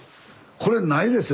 これないですよ